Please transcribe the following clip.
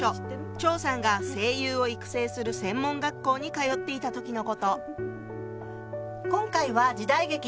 張さんが声優を育成する専門学校に通っていた時のこと。